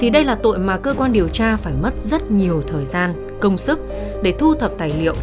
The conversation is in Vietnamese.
đây là một khối lượng công việc khổng lồ